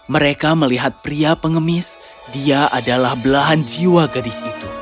mereka melihat pria pengemis dia adalah belahan jiwa gadis itu